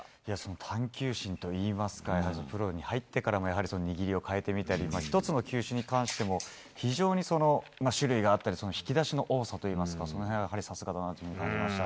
探求心といいますかプロに入ってからの握りを変えてみたり１つの球種に関しても非常に種類があったり引き出しの多さといいますかその辺はさすがだなと感じました。